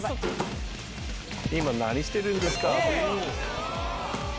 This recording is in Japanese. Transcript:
今何してるんですか？